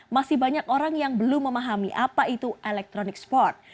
masih banyak orang yang belum memahami apa itu electronic sport